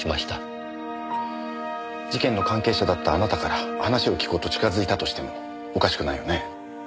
事件の関係者だったあなたから話を聞こうと近づいたとしてもおかしくないよね。